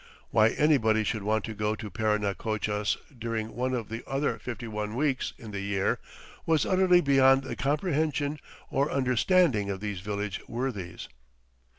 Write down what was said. Why anybody should want to go to Parinacochas during one of the other fifty one weeks in the year was utterly beyond the comprehension or understanding of these village worthies.